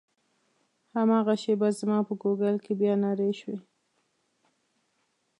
هماغه شېبه زما په ګوګل کې بیا نارې شوې.